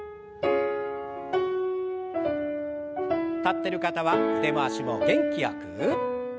立ってる方は腕回しも元気よく。